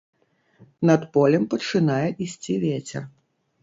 Над полем пачынае ісці вецер.